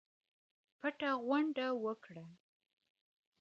پټه غونډه وکړه.